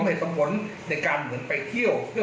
ในการเหมือนไปเที่ยว